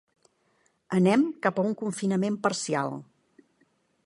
Anem cap a un confinament parcial.